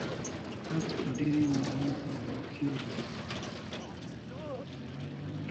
آس په ډېرې مېړانې سره د کوهي وروستۍ غاړې ته نږدې شو.